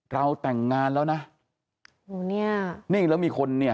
เราแต่งงานแล้วนะหนูเนี่ยนี่แล้วมีคนเนี่ย